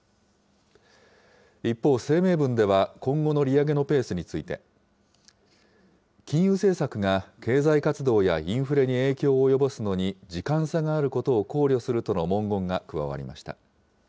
一方、声明文では今後の利上げのペースについて、金融政策が経済活動やインフレに影響を及ぼすのに時間差があることを考慮するとの文言が加わりました。